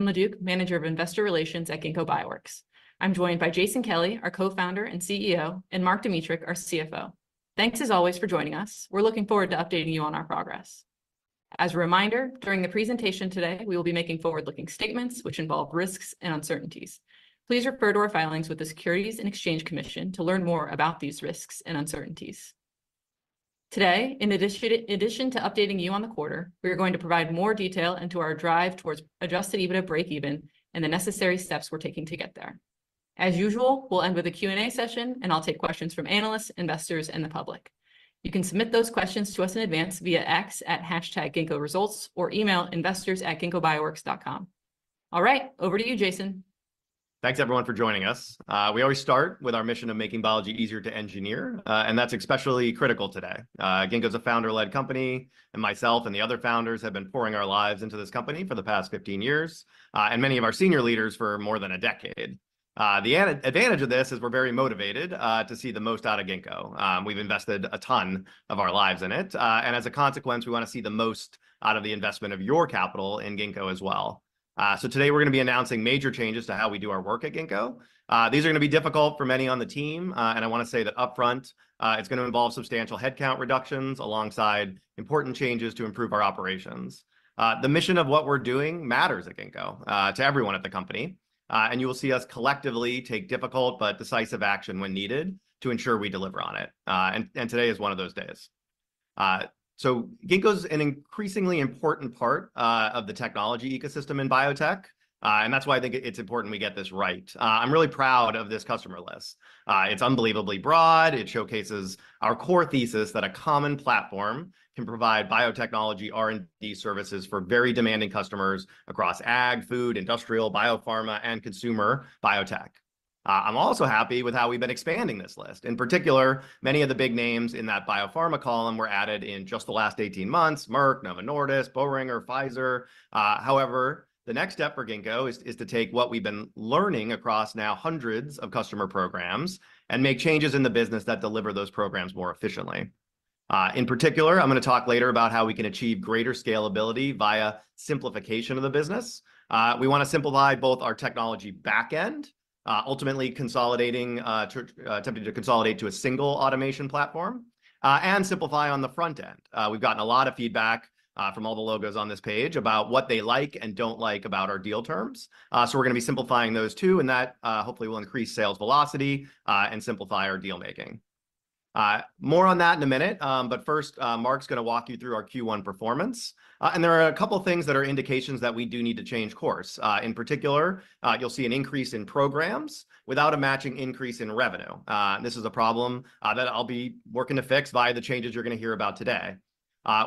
LeDuc, Manager of Investor Relations at Ginkgo Bioworks. I'm joined by Jason Kelly, our Co-Founder and CEO, and Mark Dmytruk, our CFO. Thanks, as always, for joining us. We're looking forward to updating you on our progress. As a reminder, during the presentation today, we will be making forward-looking statements which involve risks and uncertainties. Please refer to our filings with the Securities and Exchange Commission to learn more about these risks and uncertainties. Today, in addition to updating you on the quarter, we are going to provide more detail into our drive towards Adjusted EBITDA breakeven and the necessary steps we're taking to get there. As usual, we'll end with a Q&A session, and I'll take questions from analysts, investors, and the public. You can submit those questions to us in advance via X at #ginkgoresults or email investors@ginkgobioworks.com. All right, over to you, Jason. Thanks, everyone, for joining us. We always start with our mission of making biology easier to engineer, and that's especially critical today. Ginkgo's a founder-led company, and myself and the other founders have been pouring our lives into this company for the past 15 years, and many of our senior leaders for more than a decade. The advantage of this is we're very motivated to see the most out of Ginkgo. We've invested a ton of our lives in it, and as a consequence, we want to see the most out of the investment of your capital in Ginkgo as well. So today we're going to be announcing major changes to how we do our work at Ginkgo. These are going to be difficult for many on the team, and I want to say that upfront. It's going to involve substantial headcount reductions alongside important changes to improve our operations. The mission of what we're doing matters at Ginkgo to everyone at the company, and you will see us collectively take difficult but decisive action when needed to ensure we deliver on it. Today is one of those days. Ginkgo is an increasingly important part of the technology ecosystem in biotech, and that's why I think it's important we get this right. I'm really proud of this customer list. It's unbelievably broad. It showcases our core thesis that a common platform can provide biotechnology R&D services for very demanding customers across ag, food, industrial, biopharma, and consumer biotech. I'm also happy with how we've been expanding this list. In particular, many of the big names in that biopharma column were added in just the last 18 months, Merck, Novo Nordisk, Boehringer, Pfizer. However, the next step for Ginkgo is to take what we've been learning across now hundreds of customer programs and make changes in the business that deliver those programs more efficiently. In particular, I'm going to talk later about how we can achieve greater scalability via simplification of the business. We want to simplify both our technology back-end, ultimately attempting to consolidate to a single automation platform, and simplify on the front end. We've gotten a lot of feedback from all the logos on this page about what they like and don't like about our deal terms. So we're going to be simplifying those too, and that, hopefully, will increase sales velocity, and simplify our deal-making. More on that in a minute, but first, Mark's going to walk you through our Q1 performance. There are a couple of things that are indications that we do need to change course. In particular, you'll see an increase in programs without a matching increase in revenue. This is a problem, that I'll be working to fix via the changes you're going to hear about today.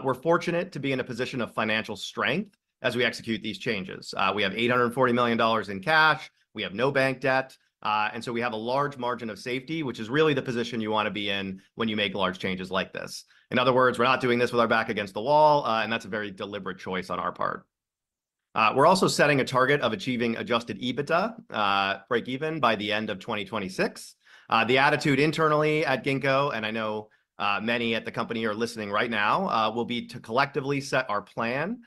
We're fortunate to be in a position of financial strength as we execute these changes. We have $840 million in cash, we have no bank debt, and so we have a large margin of safety, which is really the position you want to be in when you make large changes like this. In other words, we're not doing this with our back against the wall, and that's a very deliberate choice on our part. We're also setting a target of achieving Adjusted EBITDA breakeven by the end of 2026. The attitude internally at Ginkgo, and I know many at the company are listening right now, will be to collectively set our plan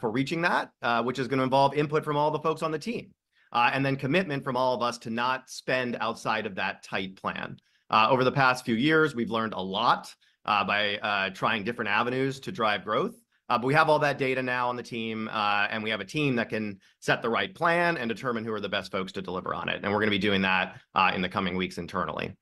for reaching that, which is going to involve input from all the folks on the team, and then commitment from all of us to not spend outside of that tight plan. Over the past few years, we've learned a lot by trying different avenues to drive growth. But we have all that data now on the team, and we have a team that can set the right plan and determine who are the best folks to deliver on it, and we're going to be doing that in the coming weeks internally.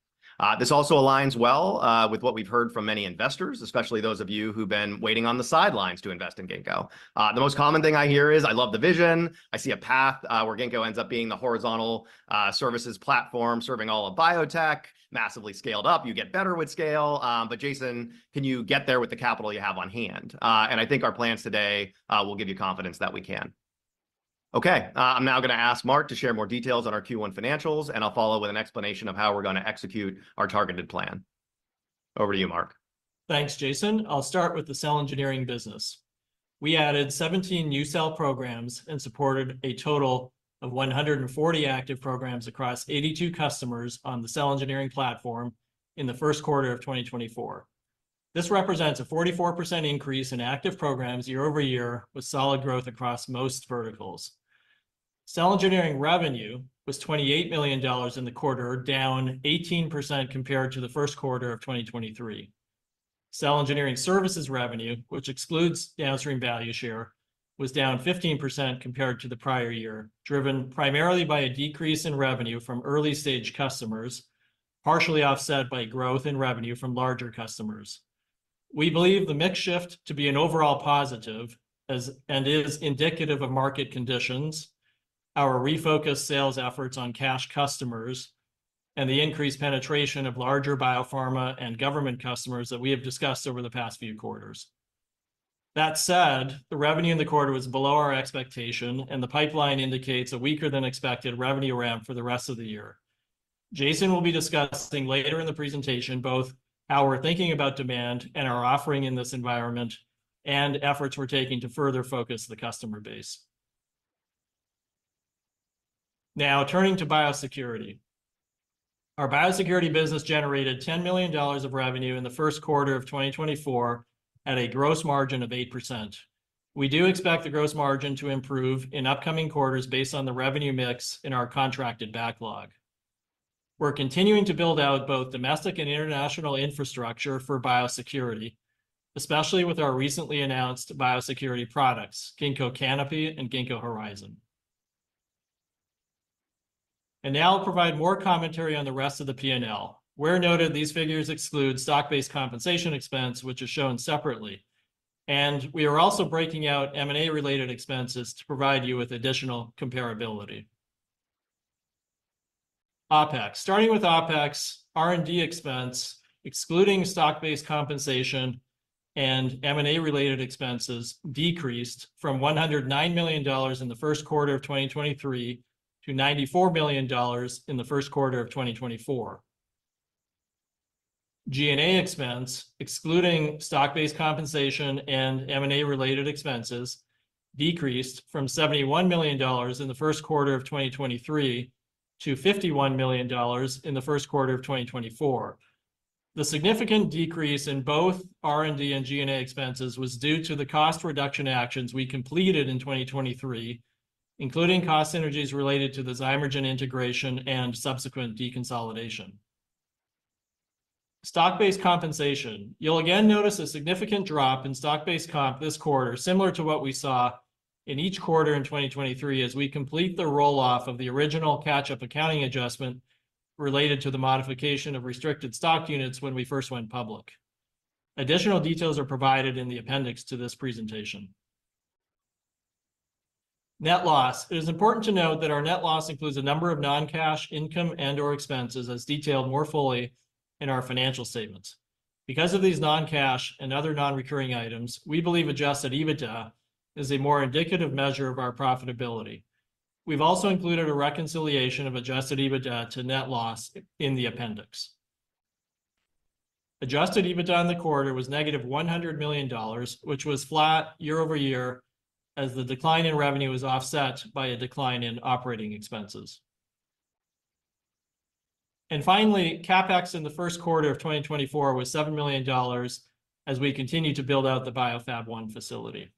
This also aligns well with what we've heard from many investors, especially those of you who've been waiting on the sidelines to invest in Ginkgo. The most common thing I hear is, "I love the vision. I see a path where Ginkgo ends up being the horizontal services platform, serving all of biotech, massively scaled up. You get better with scale, but Jason, can you get there with the capital you have on hand?" I think our plans today will give you confidence that we can. Okay, I'm now going to ask Mark to share more details on our Q1 financials, and I'll follow with an explanation of how we're going to execute our targeted plan. Over to you, Mark. Thanks, Jason. I'll start with the cell engineering business. We added 17 new cell programs and supported a total of 140 active programs across 82 customers on the cell engineering platform in the first quarter of 2024. This represents a 44% increase in active programs year-over-year, with solid growth across most verticals. Cell engineering revenue was $28 million in the quarter, down 18% compared to the first quarter of 2023. Cell engineering services revenue, which excludes downstream value share, was down 15% compared to the prior year, driven primarily by a decrease in revenue from early-stage customers, partially offset by growth in revenue from larger customers. We believe the mix shift to be an overall positive and is indicative of market conditions, our refocused sales efforts on cash customers, and the increased penetration of larger biopharma and government customers that we have discussed over the past few quarters. That said, the revenue in the quarter was below our expectation, and the pipeline indicates a weaker-than-expected revenue ramp for the rest of the year. Jason will be discussing later in the presentation both how we're thinking about demand and our offering in this environment and efforts we're taking to further focus the customer base. Now turning to biosecurity. Our biosecurity business generated $10 million of revenue in the first quarter of 2024, at a gross margin of 8%. We do expect the gross margin to improve in upcoming quarters based on the revenue mix in our contracted backlog. We're continuing to build out both domestic and international infrastructure for biosecurity, especially with our recently announced biosecurity products, Ginkgo Canopy and Ginkgo Horizon. And now I'll provide more commentary on the rest of the P&L. Where noted, these figures exclude stock-based compensation expense, which is shown separately, and we are also breaking out M&A-related expenses to provide you with additional comparability. OpEx. Starting with OpEx, R&D expense, excluding stock-based compensation and M&A-related expenses, decreased from $109 million in the first quarter of 2023 to $94 million in the first quarter of 2024. G&A expense, excluding stock-based compensation and M&A-related expenses, decreased from $71 million in the first quarter of 2023 to $51 million in the first quarter of 2024. The significant decrease in both R&D and G&A expenses was due to the cost reduction actions we completed in 2023, including cost synergies related to the Zymergen integration and subsequent deconsolidation. Stock-based compensation. You'll again notice a significant drop in stock-based comp this quarter, similar to what we saw in each quarter in 2023, as we complete the roll-off of the original catch-up accounting adjustment related to the modification of restricted stock units when we first went public. Additional details are provided in the appendix to this presentation. Net loss. It is important to note that our net loss includes a number of non-cash income and/or expenses, as detailed more fully in our financial statements. Because of these non-cash and other non-recurring items, we believe adjusted EBITDA is a more indicative measure of our profitability. We've also included a reconciliation of adjusted EBITDA to net loss in the appendix. Adjusted EBITDA on the quarter was -$100 million, which was flat year-over-year, as the decline in revenue was offset by a decline in operating expenses. And finally, CapEx in the first quarter of 2024 was $7 million as we continue to build out the BioFab1 facility.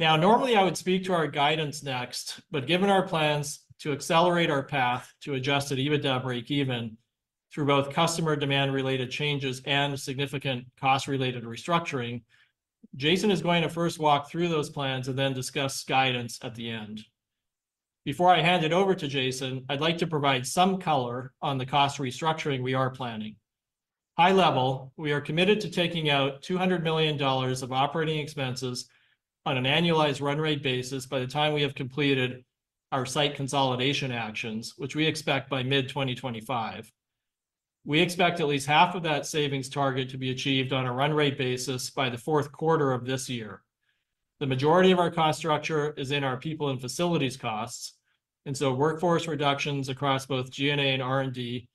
Now, normally I would speak to our guidance next, but given our plans to accelerate our path to adjusted EBITDA breakeven through both customer demand-related changes and significant cost-related restructuring, Jason is going to first walk through those plans and then discuss guidance at the end. Before I hand it over to Jason, I'd like to provide some color on the cost restructuring we are planning. High level, we are committed to taking out $200 million of operating expenses on an annualized run rate basis by the time we have completed our site consolidation actions, which we expect by mid-2025. We expect at least half of that savings target to be achieved on a run rate basis by the fourth quarter of this year. The majority of our cost structure is in our people and facilities costs, and so workforce reductions across both G&A and R&D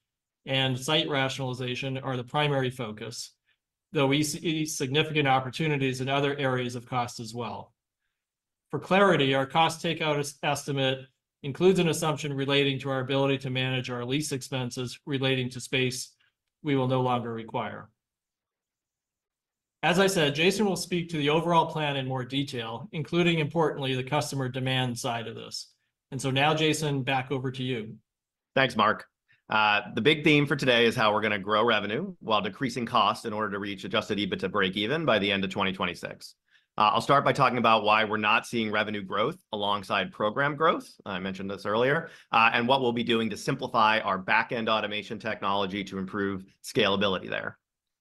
and site rationalization are the primary focus, though we see significant opportunities in other areas of cost as well. For clarity, our cost takeout estimate includes an assumption relating to our ability to manage our lease expenses relating to space we will no longer require. As I said, Jason will speak to the overall plan in more detail, including, importantly, the customer demand side of this. And so now, Jason, back over to you. Thanks, Mark. The big theme for today is how we're gonna grow revenue while decreasing cost in order to reach Adjusted EBITDA breakeven by the end of 2026. I'll start by talking about why we're not seeing revenue growth alongside program growth, I mentioned this earlier, and what we'll be doing to simplify our back-end automation technology to improve scalability there.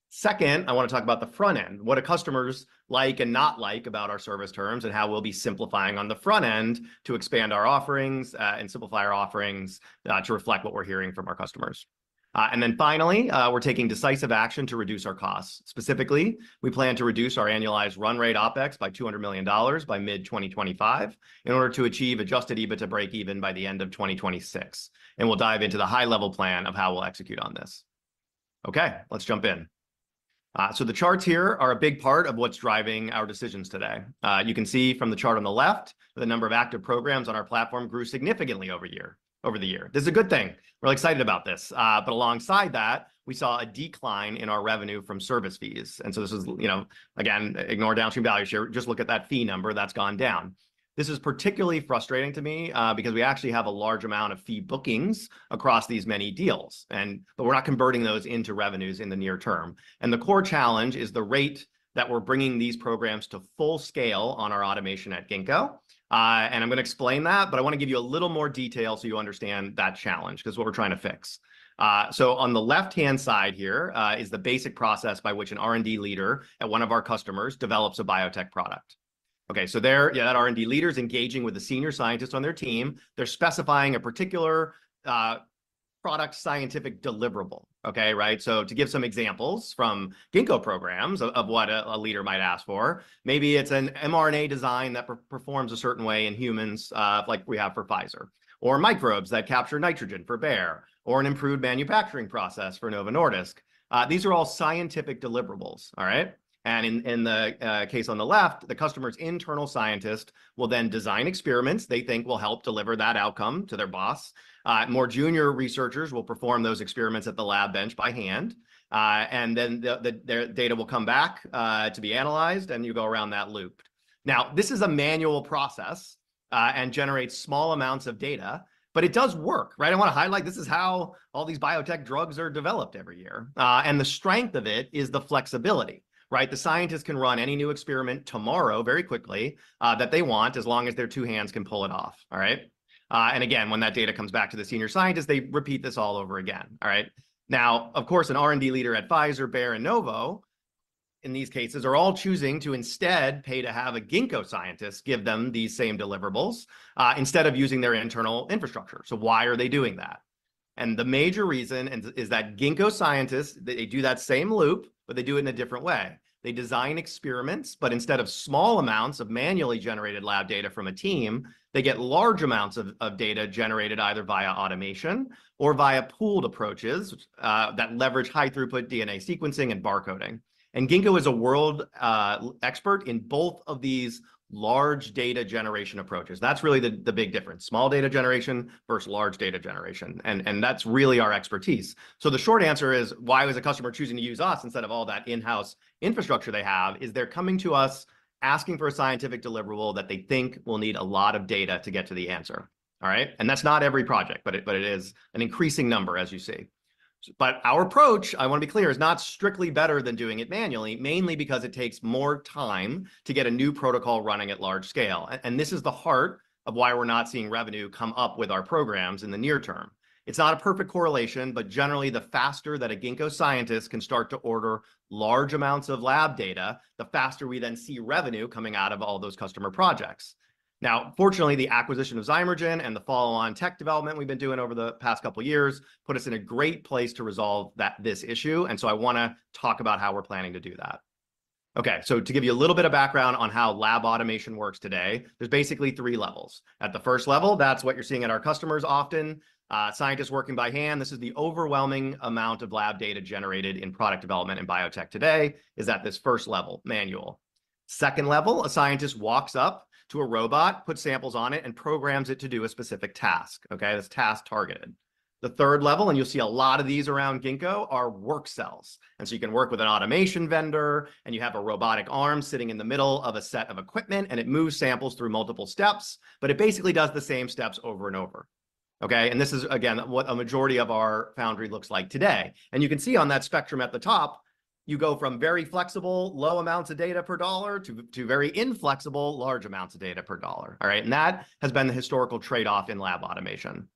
Second, I wanna talk about the front end, what do customers like and not like about our service terms, and how we'll be simplifying on the front end to expand our offerings, and simplify our offerings, to reflect what we're hearing from our customers. And then finally, we're taking decisive action to reduce our costs. Specifically, we plan to reduce our annualized run rate OpEx by $200 million by mid-2025 in order to achieve adjusted EBITDA breakeven by the end of 2026, and we'll dive into the high-level plan of how we'll execute on this. Okay, let's jump in. So the charts here are a big part of what's driving our decisions today. You can see from the chart on the left, the number of active programs on our platform grew significantly year-over-year. This is a good thing. We're excited about this. But alongside that, we saw a decline in our revenue from service fees. And so this is, you know, again, ignore downstream value share, just look at that fee number, that's gone down. This is particularly frustrating to me, because we actually have a large amount of fee bookings across these many deals, and but we're not converting those into revenues in the near term. And the core challenge is the rate that we're bringing these programs to full scale on our automation at Ginkgo. And I'm gonna explain that, but I want to give you a little more detail so you understand that challenge, 'cause it's what we're trying to fix. So on the left-hand side here is the basic process by which an R&D leader at one of our customers develops a biotech product. Okay, so there, yeah, that R&D leader is engaging with the senior scientists on their team. They're specifying a particular product scientific deliverable, okay? Right. So to give some examples from Ginkgo programs of what a leader might ask for, maybe it's an mRNA design that performs a certain way in humans, like we have for Pfizer, or microbes that capture nitrogen for Bayer, or an improved manufacturing process for Novo Nordisk. These are all scientific deliverables, all right? And in the case on the left, the customer's internal scientist will then design experiments they think will help deliver that outcome to their boss. More junior researchers will perform those experiments at the lab bench by hand, and then their data will come back to be analyzed, and you go around that loop. Now, this is a manual process, and generates small amounts of data, but it does work, right? I wanna highlight, this is how all these biotech drugs are developed every year. And the strength of it is the flexibility, right? The scientist can run any new experiment tomorrow, very quickly that they want, as long as their two hands can pull it off, all right? And again, when that data comes back to the senior scientist, they repeat this all over again, all right? Now, of course, an R&D leader at Pfizer, Bayer, and Novo, in these cases, are all choosing to instead pay to have a Ginkgo scientist give them the same deliverables instead of using their internal infrastructure. So why are they doing that? And the major reason is, is that Ginkgo scientists, they do that same loop, but they do it in a different way. They design experiments, but instead of small amounts of manually generated lab data from a team, they get large amounts of data generated either via automation or via pooled approaches that leverage high-throughput DNA sequencing and barcoding. And Ginkgo is a world expert in both of these large data generation approaches. That's really the big difference: small data generation versus large data generation, and that's really our expertise. So the short answer is, why was a customer choosing to use us instead of all that in-house infrastructure they have, is they're coming to us, asking for a scientific deliverable that they think will need a lot of data to get to the answer. All right? And that's not every project, but it is an increasing number, as you see. But our approach, I wanna be clear, is not strictly better than doing it manually, mainly because it takes more time to get a new protocol running at large scale. And this is the heart of why we're not seeing revenue come up with our programs in the near term. It's not a perfect correlation, but generally, the faster that a Ginkgo scientist can start to order large amounts of lab data, the faster we then see revenue coming out of all those customer projects. Now, fortunately, the acquisition of Zymergen and the follow-on tech development we've been doing over the past couple of years put us in a great place to resolve that, this issue, and so I wanna talk about how we're planning to do that. Okay, so to give you a little bit of background on how lab automation works today, there's basically three levels. At the first level, that's what you're seeing at our customers often, scientists working by hand. This is the overwhelming amount of lab data generated in product development in biotech today, is at this first level, manual. Second level, a scientist walks up to a robot, puts samples on it, and programs it to do a specific task, okay? That's task-targeted. The third level, and you'll see a lot of these around Ginkgo, are work cells. And so you can work with an automation vendor, and you have a robotic arm sitting in the middle of a set of equipment, and it moves samples through multiple steps, but it basically does the same steps over and over. Okay? And this is, again, what a majority of our foundry looks like today. And you can see on that spectrum at the top, you go from very flexible, low amounts of data per dollar, to very inflexible, large amounts of data per dollar. All right? And that has been the historical trade-off in lab automation.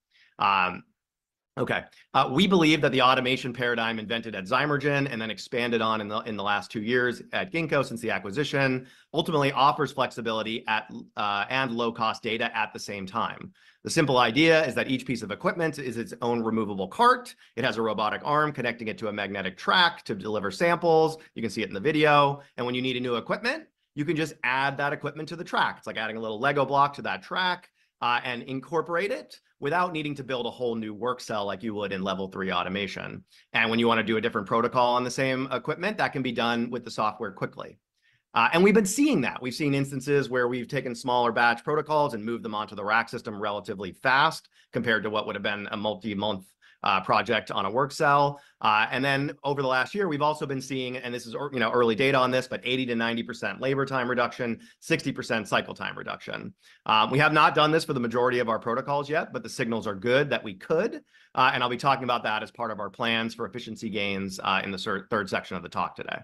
We believe that the automation paradigm invented at Zymergen, and then expanded on in the, in the last two years at Ginkgo since the acquisition, ultimately offers flexibility at, and low-cost data at the same time. The simple idea is that each piece of equipment is its own removable cart. It has a robotic arm connecting it to a magnetic track to deliver samples. You can see it in the video. And when you need a new equipment, you can just add that equipment to the track. It's like adding a little Lego block to that track, and incorporate it without needing to build a whole new work cell like you would in Level Three automation. And when you wanna do a different protocol on the same equipment, that can be done with the software quickly. And we've been seeing that. We've seen instances where we've taken smaller batch protocols and moved them onto the rack system relatively fast, compared to what would have been a multi-month project on a work cell. And then over the last year, we've also been seeing, and this is—you know, early data on this, but 80%-90% labor time reduction, 60% cycle time reduction. We have not done this for the majority of our protocols yet, but the signals are good that we could, and I'll be talking about that as part of our plans for efficiency gains, in the third section of the talk today.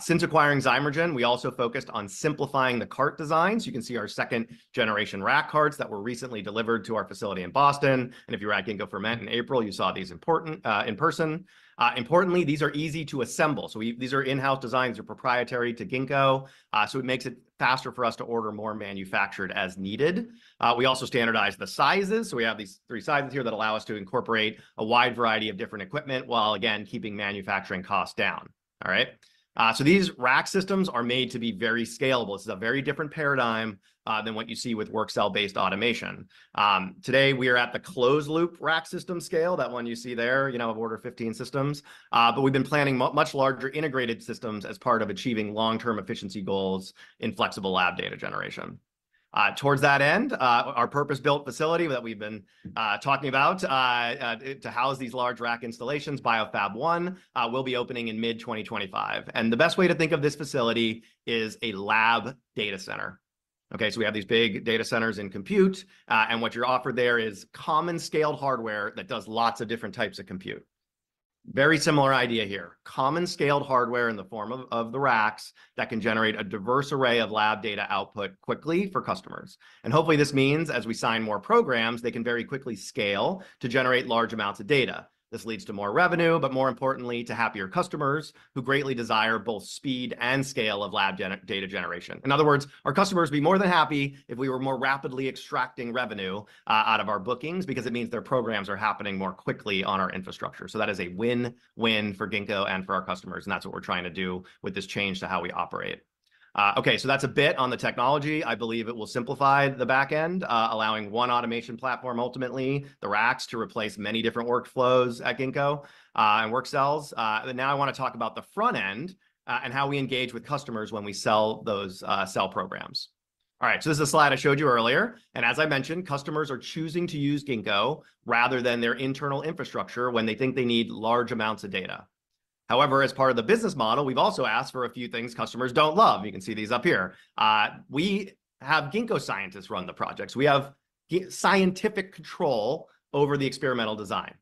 Since acquiring Zymergen, we also focused on simplifying the cart designs. You can see our second-generation rack carts that were recently delivered to our facility in Boston, and if you were at Ginkgo Ferment in April, you saw these important in person. Importantly, these are easy to assemble. So these are in-house designs, they're proprietary to Ginkgo, so it makes it faster for us to order more, manufactured as needed. We also standardized the sizes, so we have these three sizes here that allow us to incorporate a wide variety of different equipment, while again, keeping manufacturing costs down. All right? So these rack systems are made to be very scalable. This is a very different paradigm than what you see with work cell-based automation. Today, we are at the closed-loop rack system scale, that one you see there, you know, of order 15 systems. But we've been planning much larger integrated systems as part of achieving long-term efficiency goals in flexible lab data generation. Towards that end, our purpose-built facility that we've been talking about to house these large rack installations, BioFab1, will be opening in mid-2025. The best way to think of this facility is a lab data center. Okay, so we have these big data centers in compute, and what you're offered there is common-scaled hardware that does lots of different types of compute. Very similar idea here, common-scaled hardware in the form of the racks, that can generate a diverse array of lab data output quickly for customers. And hopefully, this means as we sign more programs, they can very quickly scale to generate large amounts of data. This leads to more revenue, but more importantly, to happier customers, who greatly desire both speed and scale of lab data generation. In other words, our customers would be more than happy if we were more rapidly extracting revenue out of our bookings, because it means their programs are happening more quickly on our infrastructure. So that is a win-win for Ginkgo and for our customers, and that's what we're trying to do with this change to how we operate. Okay, so that's a bit on the technology. I believe it will simplify the back end, allowing one automation platform, ultimately, the racks, to replace many different workflows at Ginkgo, and work cells. Now I want to talk about the front end, and how we engage with customers when we sell those, cell programs. All right, so this is a slide I showed you earlier, and as I mentioned, customers are choosing to use Ginkgo rather than their internal infrastructure when they think they need large amounts of data. However, as part of the business model, we've also asked for a few things customers don't love. You can see these up here. We have Ginkgo scientists run the projects. We have scientific control over the experimental design.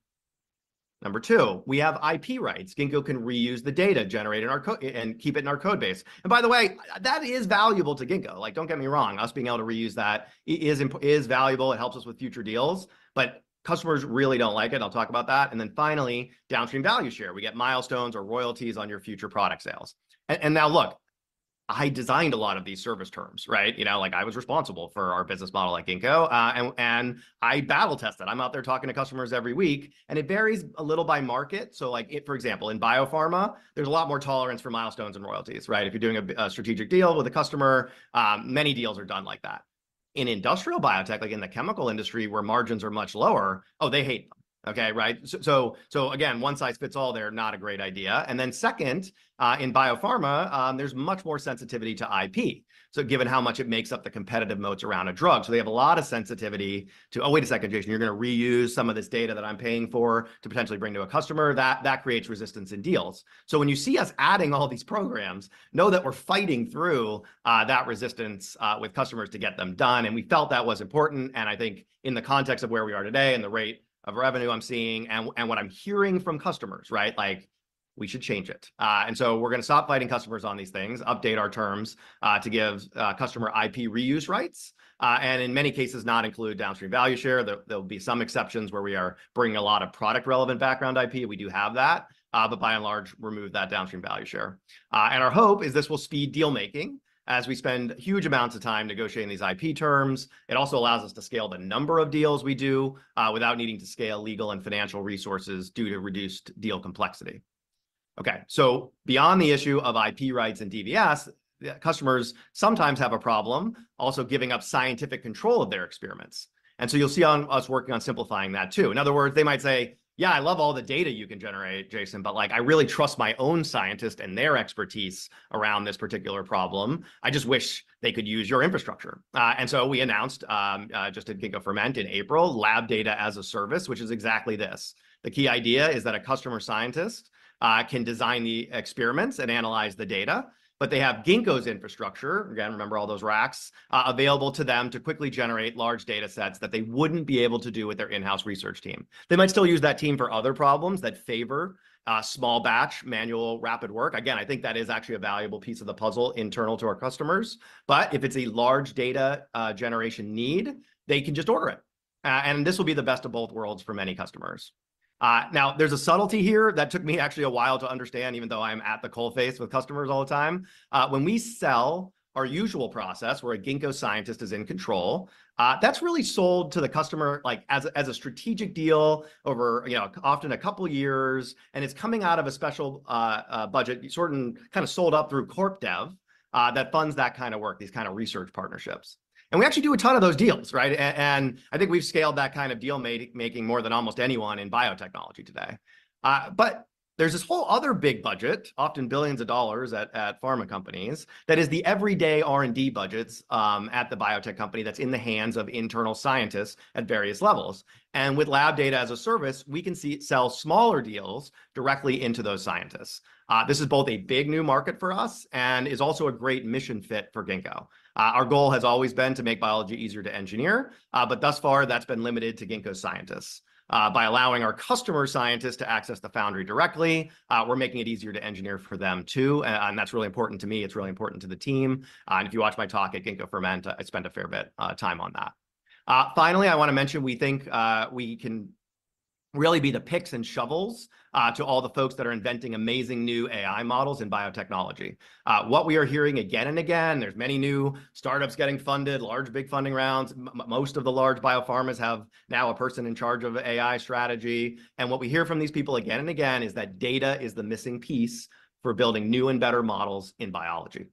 Number two, we have IP rights. Ginkgo can reuse the data generated in our and keep it in our code base. And by the way, that is valuable to Ginkgo. Like, don't get me wrong, us being able to reuse that is valuable, it helps us with future deals, but customers really don't like it, I'll talk about that. And then finally, downstream value share. We get milestones or royalties on your future product sales. And now look, I designed a lot of these service terms, right? You know, like, I was responsible for our business model at Ginkgo. And I battle test it. I'm out there talking to customers every week, and it varies a little by market. So like, for example, in biopharma, there's a lot more tolerance for milestones and royalties, right? If you're doing a strategic deal with a customer, many deals are done like that. In industrial biotech, like in the chemical industry, where margins are much lower, oh, they hate them. Okay, right? So again, one size fits all there, not a great idea. And then second, in biopharma, there's much more sensitivity to IP. So given how much it makes up the competitive moats around a drug, so they have a lot of sensitivity to, "Oh, wait a second, Jason, you're gonna reuse some of this data that I'm paying for to potentially bring to a customer?" That creates resistance in deals. So when you see us adding all these programs, know that we're fighting through that resistance with customers to get them done, and we felt that was important, and I think in the context of where we are today and the rate of revenue I'm seeing and what I'm hearing from customers, right, like, we should change it. And so we're gonna stop fighting customers on these things, update our terms to give customer IP reuse rights, and in many cases, not include downstream value share. There'll be some exceptions where we are bringing a lot of product-relevant background IP, we do have that. But by and large, remove that downstream value share. And our hope is this will speed deal-making as we spend huge amounts of time negotiating these IP terms. It also allows us to scale the number of deals we do without needing to scale legal and financial resources due to reduced deal complexity. Okay, so beyond the issue of IP rights and DVS, customers sometimes have a problem also giving up scientific control of their experiments. And so you'll see us working on simplifying that too. In other words, they might say, "Yeah, I love all the data you can generate, Jason, but, like, I really trust my own scientist and their expertise around this particular problem. I just wish they could use your infrastructure." And so we announced just at Ginkgo Ferment in April, Lab Data as a Service, which is exactly this. The key idea is that a customer scientist can design the experiments and analyze the data, but they have Ginkgo's infrastructure, again, remember all those racks, available to them to quickly generate large data sets that they wouldn't be able to do with their in-house research team. They might still use that team for other problems that favor small batch, manual, rapid work. Again, I think that is actually a valuable piece of the puzzle internal to our customers, but if it's a large data generation need, they can just order it. And this will be the best of both worlds for many customers. Now, there's a subtlety here that took me actually a while to understand, even though I'm at the coalface with customers all the time. When we sell our usual process, where a Ginkgo scientist is in control, that's really sold to the customer, like, as a strategic deal over, you know, often a couple of years, and it's coming out of a special budget, sort and kinda sold up through Corp Dev, that funds that kind of work, these kind of research partnerships. And we actually do a ton of those deals, right? And I think we've scaled that kind of deal making more than almost anyone in biotechnology today. But there's this whole other big budget, often billions of dollars at pharma companies, that is the everyday R&D budgets at the biotech company that's in the hands of internal scientists at various levels. And with Lab Data as a Service, we can sell smaller deals directly into those scientists. This is both a big new market for us and is also a great mission fit for Ginkgo. Our goal has always been to make biology easier to engineer, but thus far, that's been limited to Ginkgo scientists. By allowing our customer scientists to access the foundry directly, we're making it easier to engineer for them, too, and that's really important to me, it's really important to the team. And if you watch my talk at Ginkgo Ferment, I spend a fair bit time on that. Finally, I wanna mention we think, we can really be the picks and shovels to all the folks that are inventing amazing new AI models in biotechnology. What we are hearing again and again, there's many new startups getting funded, large, big funding rounds, most of the large biopharmas have now a person in charge of AI strategy, and what we hear from these people again and again is that data is the missing piece for building new and better models in biology,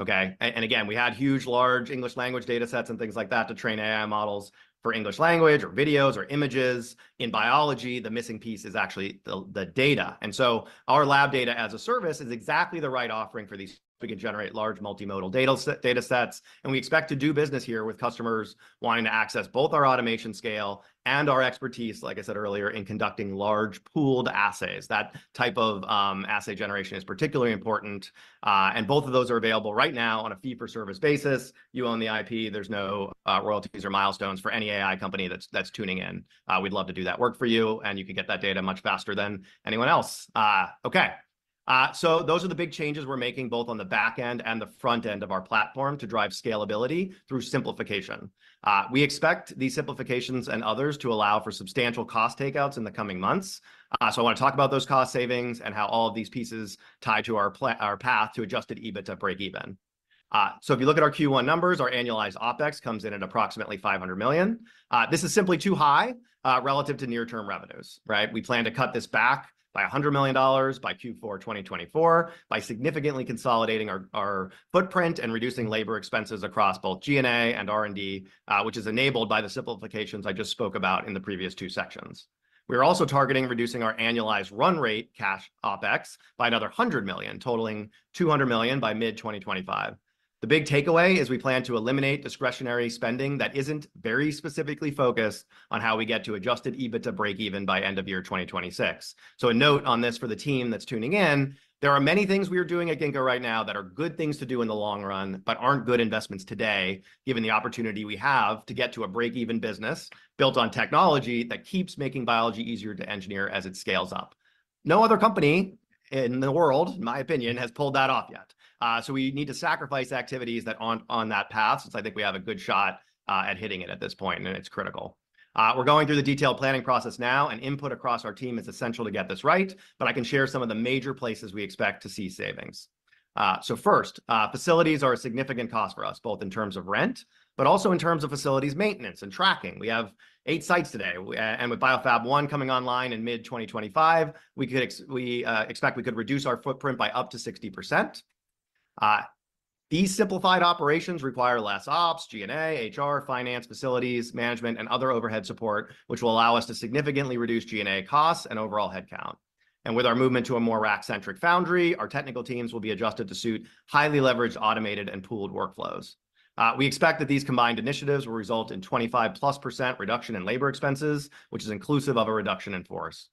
okay? And again, we had huge, large English language data sets and things like that to train AI models for English language or videos or images. In biology, the missing piece is actually the data. And so our Lab Data as a Service is exactly the right offering for these. We can generate large multimodal data sets, and we expect to do business here with customers wanting to access both our automation scale and our expertise, like I said earlier, in conducting large pooled assays. That type of assay generation is particularly important, and both of those are available right now on a fee-for-service basis. You own the IP, there's no royalties or milestones for any AI company that's tuning in. We'd love to do that work for you, and you can get that data much faster than anyone else. Okay, so those are the big changes we're making, both on the back end and the front end of our platform, to drive scalability through simplification. We expect these simplifications and others to allow for substantial cost takeouts in the coming months. So I wanna talk about those cost savings and how all of these pieces tie to our path to adjusted EBITDA break-even. So if you look at our Q1 numbers, our annualized OpEx comes in at approximately $500 million. This is simply too high, relative to near-term revenues, right? We plan to cut this back by $100 million by Q4 2024 by significantly consolidating our footprint and reducing labor expenses across both G&A and R&D, which is enabled by the simplifications I just spoke about in the previous two sections. We're also targeting reducing our annualized run rate, cash OpEx, by another $100 million, totaling $200 million by mid-2025.... The big takeaway is we plan to eliminate discretionary spending that isn't very specifically focused on how we get to Adjusted EBITDA breakeven by end of 2026. So a note on this for the team that's tuning in, there are many things we are doing at Ginkgo right now that are good things to do in the long run, but aren't good investments today, given the opportunity we have to get to a breakeven business built on technology that keeps making biology easier to engineer as it scales up. No other company in the world, in my opinion, has pulled that off yet. So we need to sacrifice activities that aren't on that path, since I think we have a good shot at hitting it at this point, and it's critical. We're going through the detailed planning process now, and input across our team is essential to get this right, but I can share some of the major places we expect to see savings. So first, facilities are a significant cost for us, both in terms of rent, but also in terms of facilities maintenance and tracking. We have eight sites today, and with BioFab1 coming online in mid-2025, we expect we could reduce our footprint by up to 60%. These simplified operations require less ops, G&A, HR, finance, facilities, management, and other overhead support, which will allow us to significantly reduce G&A costs and overall headcount. And with our movement to a more rack-centric foundry, our technical teams will be adjusted to suit highly leveraged, automated, and pooled workflows. We expect that these combined initiatives will result in 25%+ reduction in labor expenses, which is inclusive of a reduction in force.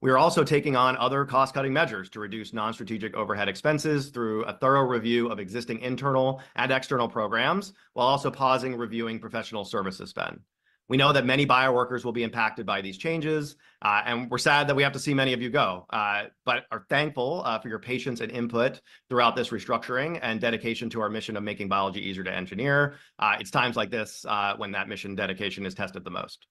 We are also taking on other cost-cutting measures to reduce non-strategic overhead expenses through a thorough review of existing internal and external programs, while also pausing reviewing professional service spend. We know that many bioworkers will be impacted by these changes, and we're sad that we have to see many of you go, but are thankful for your patience and input throughout this restructuring, and dedication to our mission of making biology easier to engineer. It's times like this, when that mission dedication is tested the most.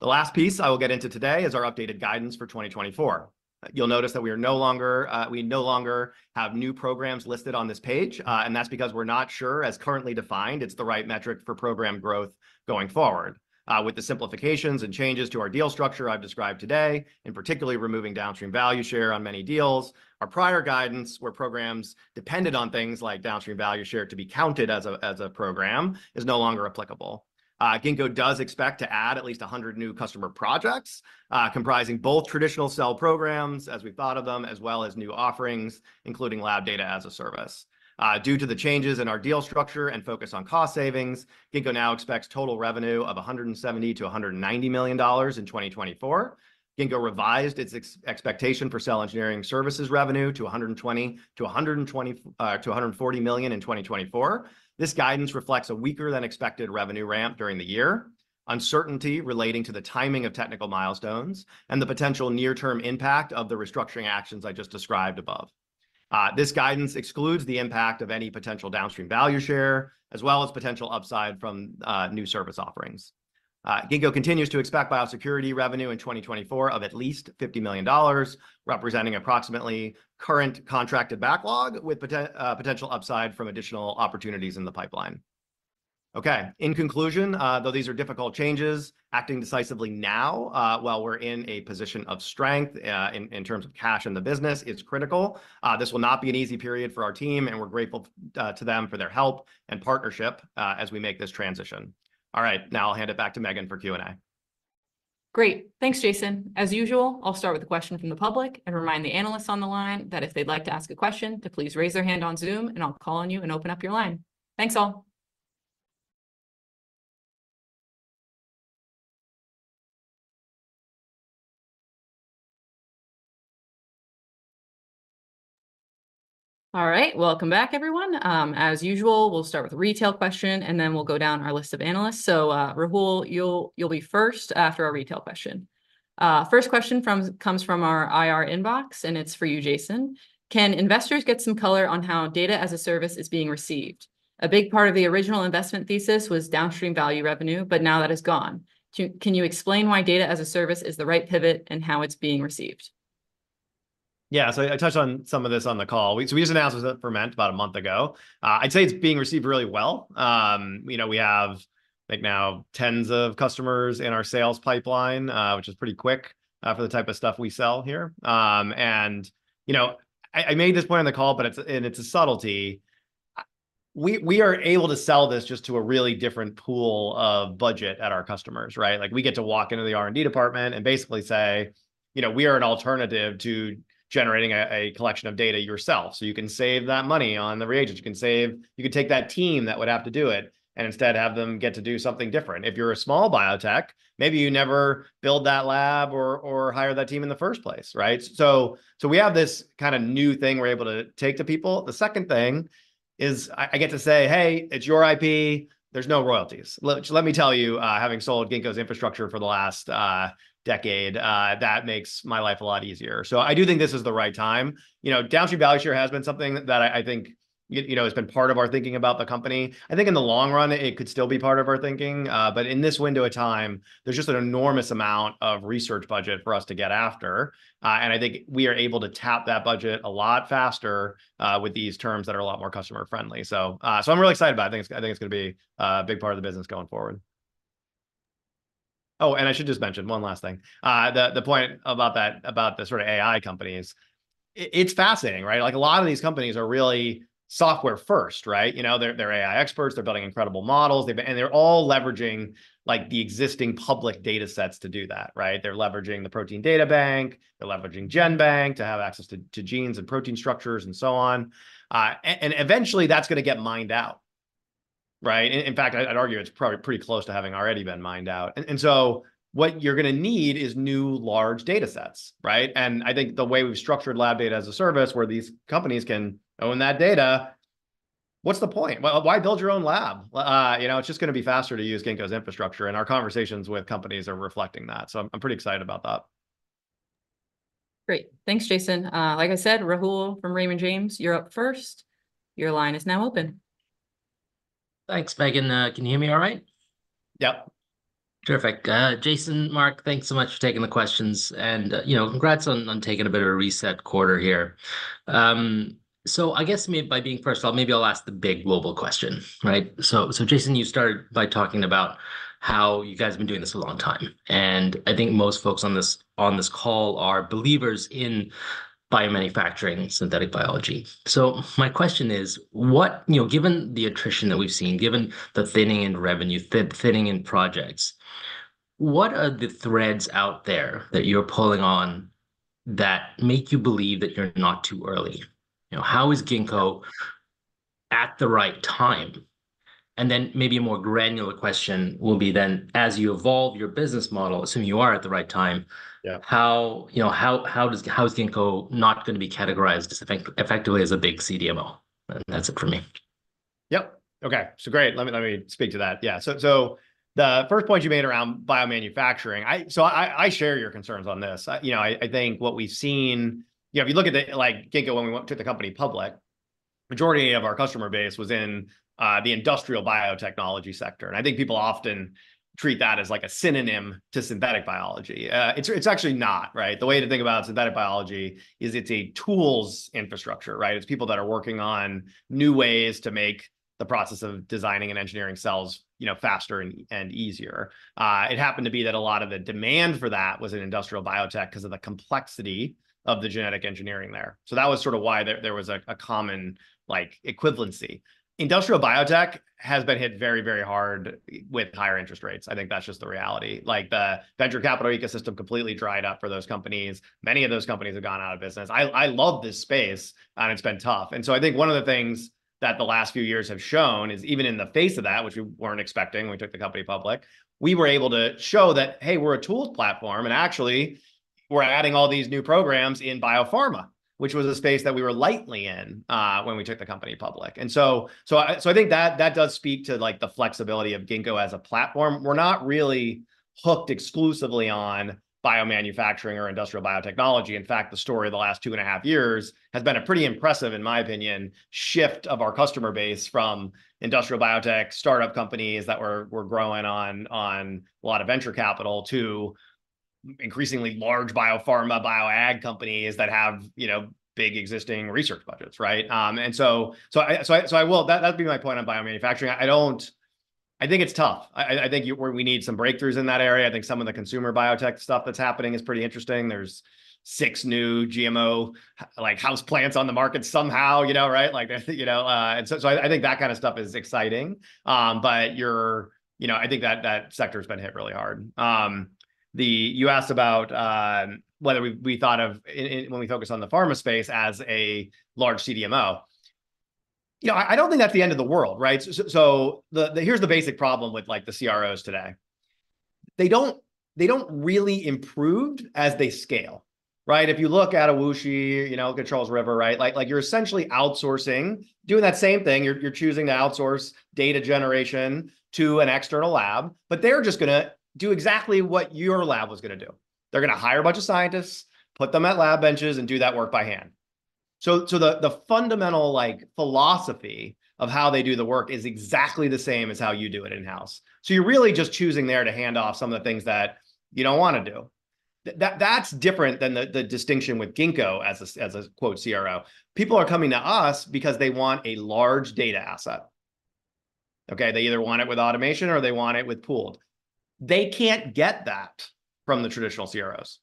The last piece I will get into today is our updated guidance for 2024. You'll notice that we no longer have new programs listed on this page, and that's because we're not sure, as currently defined, it's the right metric for program growth going forward. With the simplifications and changes to our deal structure I've described today, and particularly removing downstream value share on many deals, our prior guidance, where programs depended on things like downstream value share to be counted as a program, is no longer applicable. Ginkgo does expect to add at least 100 new customer projects, comprising both traditional cell programs as we thought of them, as well as new offerings, including Lab Data as a Service. Due to the changes in our deal structure and focus on cost savings, Ginkgo now expects total revenue of $170 million-$190 million in 2024. Ginkgo revised its expectation for cell engineering services revenue to $120 million-$140 million in 2024. This guidance reflects a weaker-than-expected revenue ramp during the year, uncertainty relating to the timing of technical milestones, and the potential near-term impact of the restructuring actions I just described above. This guidance excludes the impact of any potential downstream value share, as well as potential upside from new service offerings. Ginkgo continues to expect biosecurity revenue in 2024 of at least $50 million, representing approximately current contracted backlog, with potential upside from additional opportunities in the pipeline. Okay, in conclusion, though these are difficult changes, acting decisively now, while we're in a position of strength, in terms of cash in the business, is critical. This will not be an easy period for our team, and we're grateful to them for their help and partnership, as we make this transition. All right, now I'll hand it back to Megan for Q&A. Great. Thanks, Jason. As usual, I'll start with a question from the public and remind the analysts on the line that if they'd like to ask a question, to please raise their hand on Zoom, and I'll call on you and open up your line. Thanks, all. All right. Welcome back, everyone. As usual, we'll start with a retail question, and then we'll go down our list of analysts. So, Rahul, you'll be first after our retail question. First question comes from our IR inbox, and it's for you, Jason. Can investors get some color on how data as a service is being received? A big part of the original investment thesis was downstream value revenue, but now that is gone. Can you explain why data as a service is the right pivot, and how it's being received? Yeah, so I touched on some of this on the call. So we just announced this format about a month ago. I'd say it's being received really well. You know, we have, I think now, tens of customers in our sales pipeline, which is pretty quick, for the type of stuff we sell here. And, you know, I made this point on the call, but it's, and it's a subtlety. We are able to sell this just to a really different pool of budget at our customers, right? Like, we get to walk into the R&D department and basically say, "You know, we are an alternative to generating a collection of data yourself, so you can save that money on the reagents. You can take that team that would have to do it, and instead have them get to do something different. If you're a small biotech, maybe you never build that lab or hire that team in the first place, right? So we have this kind of new thing we're able to take to people. The second thing is I get to say, "Hey, it's your IP. There's no royalties." Which let me tell you, having sold Ginkgo's infrastructure for the last decade, that makes my life a lot easier. So I do think this is the right time. You know, downstream value share has been something that I think you know has been part of our thinking about the company. I think in the long run, it could still be part of our thinking, but in this window of time, there's just an enormous amount of research budget for us to get after, and I think we are able to tap that budget a lot faster, with these terms that are a lot more customer-friendly. So, so I'm really excited about it. I think it's, I think it's gonna be a, a big part of the business going forward. Oh, and I should just mention one last thing. The point about that, about the sort of AI companies, it's fascinating, right? Like, a lot of these companies are really software first, right? You know, they're, they're AI experts, they're building incredible models, they've and they're all leveraging, like, the existing public data sets to do that, right? They're leveraging the Protein Data Bank, they're leveraging GenBank to have access to genes and protein structures, and so on. And eventually, that's gonna get mined out... right? And in fact, I'd argue it's probably pretty close to having already been mined out. And so what you're gonna need is new, large data sets, right? And I think the way we've structured Lab Data as a Service, where these companies can own that data, what's the point? Well, why build your own lab? You know, it's just gonna be faster to use Ginkgo's infrastructure, and our conversations with companies are reflecting that. So I'm pretty excited about that. Great. Thanks, Jason. Like I said, Rahul from Raymond James, you're up first. Your line is now open. Thanks, Megan. Can you hear me all right? Yep. Terrific. Jason, Mark, thanks so much for taking the questions, and, you know, congrats on, on taking a bit of a reset quarter here. So I guess by being first, maybe I'll ask the big global question, right? So, so Jason, you started by talking about how you guys have been doing this a long time, and I think most folks on this, on this call are believers in biomanufacturing synthetic biology. So my question is, what... You know, given the attrition that we've seen, given the thinning in revenue, thinning in projects, what are the threads out there that you're pulling on that make you believe that you're not too early? You know, how is Ginkgo at the right time? And then maybe a more granular question will be then, as you evolve your business model, assuming you are at the right time- Yeah ... how, you know, how is Ginkgo not gonna be categorized as effectively as a big CDMO? That's it for me. Yep, okay. So great, let me speak to that. Yeah, so the first point you made around biomanufacturing, I share your concerns on this. I, you know, I think what we've seen. You know, if you look at the, like, Ginkgo when we took the company public, majority of our customer base was in the industrial biotechnology sector, and I think people often treat that as like a synonym to synthetic biology. It's actually not, right? The way to think about synthetic biology is it's a tools infrastructure, right? It's people that are working on new ways to make the process of designing and engineering cells, you know, faster and easier. It happened to be that a lot of the demand for that was in industrial biotech because of the complexity of the genetic engineering there. So that was sort of why there was a common, like, equivalency. Industrial biotech has been hit very, very hard with higher interest rates. I think that's just the reality. Like, the venture capital ecosystem completely dried up for those companies. Many of those companies have gone out of business. I love this space, and it's been tough. And so I think one of the things that the last few years have shown is, even in the face of that, which we weren't expecting when we took the company public, we were able to show that, "Hey, we're a tools platform," and actually, we're adding all these new programs in biopharma, which was a space that we were lightly in when we took the company public. And so I think that does speak to, like, the flexibility of Ginkgo as a platform. We're not really hooked exclusively on biomanufacturing or industrial biotechnology. In fact, the story of the last two and a half years has been a pretty impressive, in my opinion, shift of our customer base from industrial biotech startup companies that were growing on a lot of venture capital, to increasingly large biopharma, bioag companies that have, you know, big existing research budgets, right? And so that'd be my point on biomanufacturing. I don't think it's tough. I think we need some breakthroughs in that area. I think some of the consumer biotech stuff that's happening is pretty interesting. There's six new GMO-like house plants on the market somehow, you know, right? Like, you know. And so I think that kind of stuff is exciting. But you're- you know, I think that, that sector's been hit really hard. You asked about whether we thought of it when we focus on the pharma space as a large CDMO. You know, I don't think that's the end of the world, right? So, so the, here's the basic problem with, like, the CROs today: they don't really improve as they scale, right? If you look at WuXi, you know, look at Charles River, right? Like, you're essentially outsourcing, doing that same thing. You're choosing to outsource data generation to an external lab, but they're just gonna do exactly what your lab was gonna do. They're gonna hire a bunch of scientists, put them at lab benches, and do that work by hand. So the fundamental, like, philosophy of how they do the work is exactly the same as how you do it in-house. So you're really just choosing there to hand off some of the things that you don't wanna do. That's different than the distinction with Ginkgo as a, quote, "CRO." People are coming to us because they want a large data asset. Okay, they either want it with automation or they want it with pooled. They can't get that from the traditional CROs,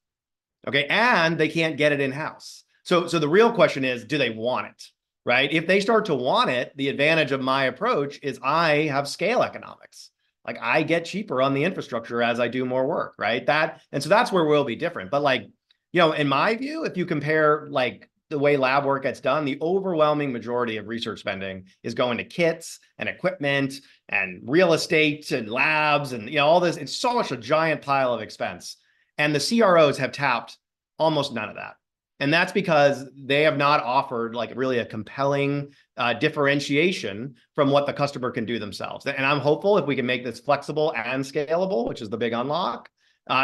okay? And they can't get it in-house. So the real question is: Do they want it, right? If they start to want it, the advantage of my approach is I have scale economics. Like, I get cheaper on the infrastructure as I do more work, right? And so that's where we'll be different. But like, you know, in my view, if you compare, like, the way lab work gets done, the overwhelming majority of research spending is going to kits and equipment and real estate and labs and, you know, all this. It's so much a giant pile of expense, and the CROs have tapped almost none of that, and that's because they have not offered, like, really a compelling differentiation from what the customer can do themselves. And I'm hopeful if we can make this flexible and scalable, which is the big unlock,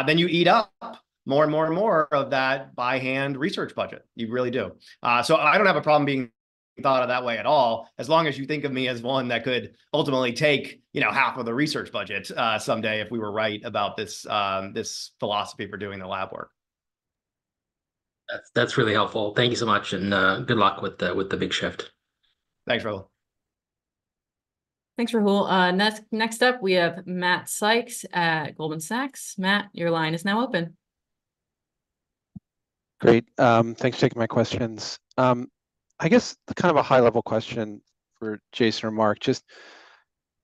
then you eat up more and more and more of that by-hand research budget. You really do. So I, I don't have a problem being thought of that way at all, as long as you think of me as one that could ultimately take, you know, half of the research budget, someday, if we were right about this, this philosophy for doing the lab work. That's, that's really helpful. Thank you so much, and good luck with the big shift. Thanks, Rahul. Thanks, Rahul. Next up, we have Matt Sykes at Goldman Sachs. Matt, your line is now open. Great. Thanks for taking my questions. I guess kind of a high-level question for Jason or Mark. Just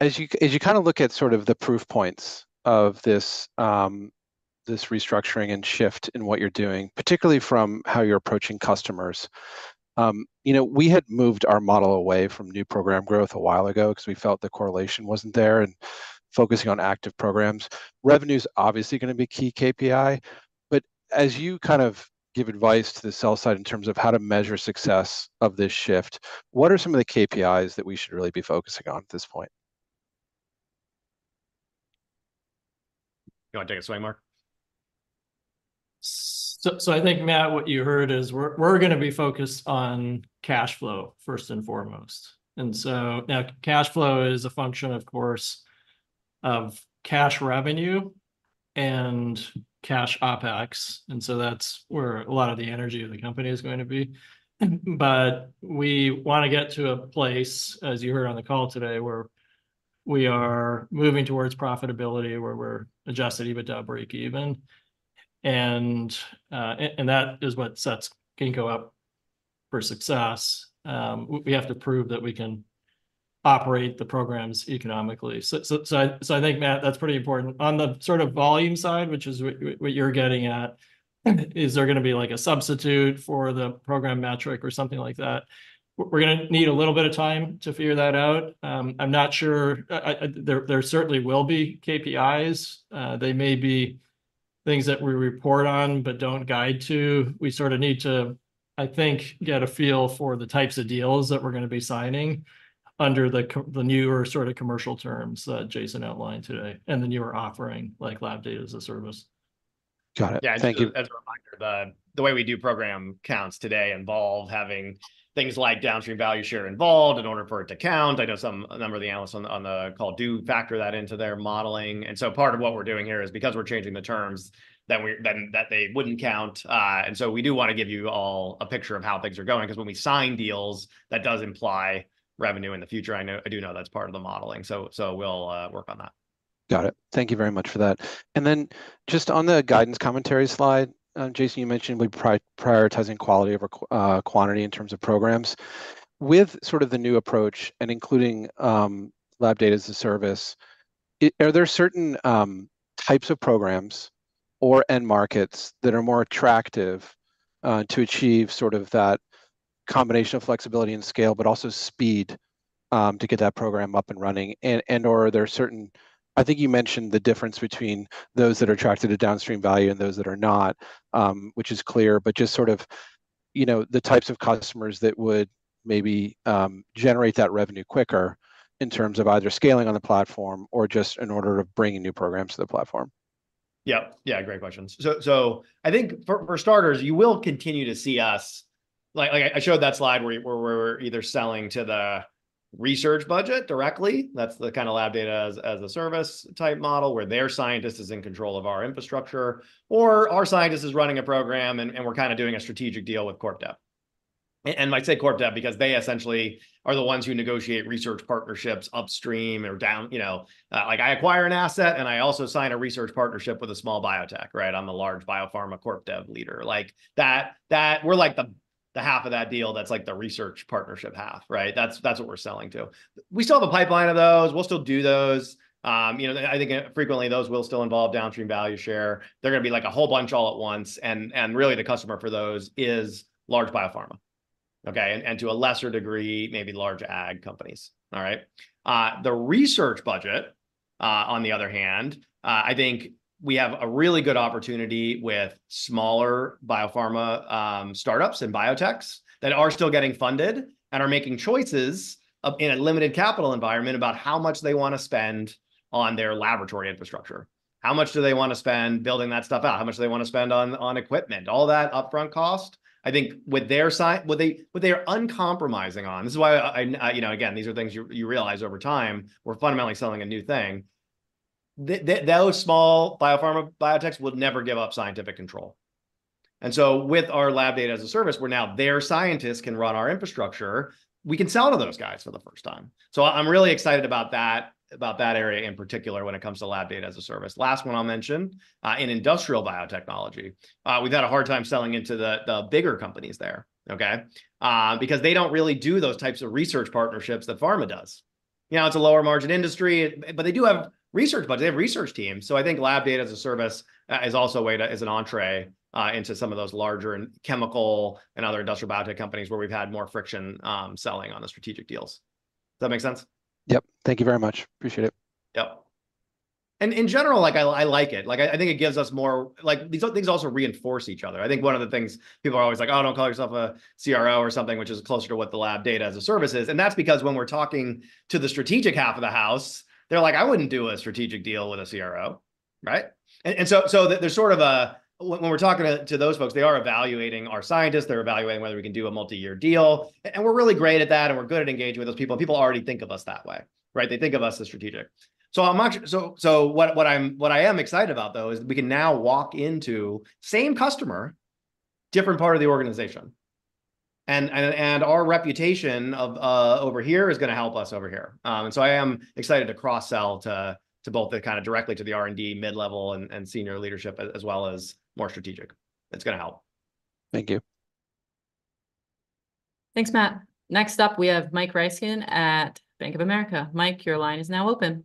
as you, as you kind of look at sort of the proof points of this, this restructuring and shift in what you're doing, particularly from how you're approaching customers. You know, we had moved our model away from new program growth a while ago 'cause we felt the correlation wasn't there, and focusing on active programs. Revenue's obviously gonna be key KPI, but as you kind of give advice to the sales side in terms of how to measure success of this shift, what are some of the KPIs that we should really be focusing on at this point? You wanna take this one, Mark? So, I think, Matt, what you heard is we're gonna be focused on cash flow, first and foremost. So now, cash flow is a function, of course, of cash revenue and cash OpEx, and so that's where a lot of the energy of the company is going to be. But we wanna get to a place, as you heard on the call today, where we are moving towards profitability, where we're Adjusted EBITDA break even. And that is what sets Ginkgo up for success. We have to prove that we can operate the programs economically. So, I think, Matt, that's pretty important. On the sort of volume side, which is what you're getting at, is there gonna be, like, a substitute for the program metric or something like that? We're gonna need a little bit of time to figure that out. I'm not sure... there certainly will be KPIs. They may be things that we report on but don't guide to. We sort of need to, I think, get a feel for the types of deals that we're gonna be signing under the c- the newer sort of commercial terms that Jason outlined today, and the newer offering, like Lab Data as a Service. Got it. Thank you. Yeah, as a reminder, the way we do program counts today involve having things like downstream value share involved in order for it to count. I know a number of the analysts on the call do factor that into their modeling. And so part of what we're doing here is, because we're changing the terms, then they wouldn't count. And so we do wanna give you all a picture of how things are going, 'cause when we sign deals, that does imply revenue in the future. I do know that's part of the modeling. So we'll work on that. Got it. Thank you very much for that. And then, just on the guidance commentary slide, Jason, you mentioned we're prioritizing quality over quantity in terms of programs. With sort of the new approach, and including Lab Data as a Service, are there certain types of programs or end markets that are more attractive to achieve sort of that combination of flexibility and scale, but also speed to get that program up and running? And/or are there certain. I think you mentioned the difference between those that are attracted to downstream value and those that are not, which is clear, but just sort of, you know, the types of customers that would maybe generate that revenue quicker in terms of either scaling on the platform or just in order to bring in new programs to the platform. Yep. Yeah, great questions. So, I think for starters, you will continue to see us... Like, I showed that slide where we're either selling to the research budget directly, that's the kind of Lab Data as a Service type model, where their scientist is in control of our infrastructure, or our scientist is running a program, and we're kind of doing a strategic deal with Corp Dev. And I say Corp Dev because they essentially are the ones who negotiate research partnerships upstream or down, you know, like I acquire an asset, and I also sign a research partnership with a small biotech, right? I'm the large biopharma Corp Dev leader. Like, that we're like the half of that deal that's like the research partnership half, right? That's what we're selling to. We still have a pipeline of those. We'll still do those. You know, I think frequently, those will still involve downstream value share. They're gonna be, like, a whole bunch all at once, and, and really, the customer for those is large biopharma. Okay, and, and to a lesser degree, maybe large ag companies. All right? The research budget, on the other hand, I think we have a really good opportunity with smaller biopharma, startups and biotechs that are still getting funded and are making choices in a limited capital environment, about how much they wanna spend on their laboratory infrastructure. How much do they wanna spend building that stuff out? How much do they wanna spend on, on equipment? All that upfront cost, I think with their what they, what they are uncompromising on... This is why I you know, again, these are things you realize over time, we're fundamentally selling a new thing. Those small biopharma biotechs would never give up scientific control. And so with our Lab Data as a Service, where now their scientists can run our infrastructure, we can sell to those guys for the first time. So I'm really excited about that, about that area in particular when it comes to Lab Data as a Service. Last one I'll mention, in industrial biotechnology, we've had a hard time selling it to the bigger companies there, okay? Because they don't really do those types of research partnerships that pharma does. You know, it's a lower margin industry, but they do have research budget, they have research teams. So I think Lab Data as a Service is also a way to- as an entrée into some of those larger chemical and other industrial biotech companies where we've had more friction selling on the strategic deals. Does that make sense? Yep. Thank you very much. Appreciate it. Yep. And in general, like, I like it. Like, I think it gives us more... Like, these things also reinforce each other. I think one of the things, people are always like, "Oh, don't call yourself a CRO or something," which is closer to what the Lab data as a Service is. And that's because when we're talking to the strategic half of the house, they're like: "I wouldn't do a strategic deal with a CRO," right? And so there's sort of a... When we're talking to those folks, they are evaluating our scientists, they're evaluating whether we can do a multi-year deal, and we're really great at that, and we're good at engaging with those people. People already think of us that way, right? They think of us as strategic. So I'm not... So what I am excited about, though, is we can now walk into same customer, different part of the organization. And our reputation of over here is gonna help us over here. And so I am excited to cross-sell to both the kind of directly to the R&D mid-level and senior leadership, as well as more strategic. It's gonna help. Thank you. Thanks, Matt. Next up, we have Mike Ryskin at Bank of America. Mike, your line is now open.